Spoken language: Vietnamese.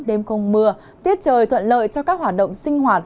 đêm không mưa tiết trời thuận lợi cho các hoạt động sinh hoạt